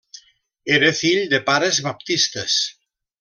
Era fill de pares baptistes.